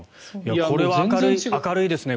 これは明るいですね。